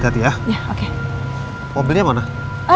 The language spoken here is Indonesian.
cuma tadi ada temennya elsa datang